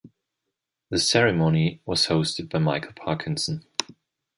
The ceremony was hosted by Michael Parkinson.